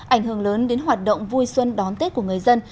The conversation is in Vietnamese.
ảnh hưởng lớn đến hoạt động vui xuân đón tết của người dân